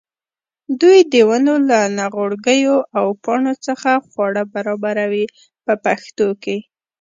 دوی د ونو له نغوړګیو او پاڼو څخه خواړه برابروي په پښتو کې.